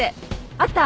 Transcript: あった？